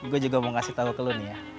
gue juga mau kasih tau ke lu nih ya